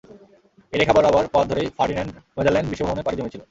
এই রেখা বরাবর পথ ধরেই ফার্ডিন্যান্ড ম্যেজালেন বিশ্ব ভ্রমণে পাড়ি জমিয়েছিল।